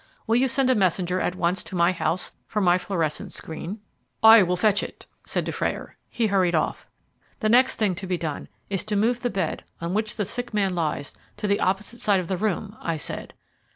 Will you send a messenger at once to my house for my fluorescent screen?" "I will fetch it," said Dufrayer. He hurried off. "The next thing to be done is to move the bed on which the sick man lies to the opposite side of the room," I said.